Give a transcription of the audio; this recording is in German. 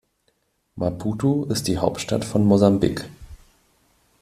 Maputo ist die Hauptstadt von Mosambik.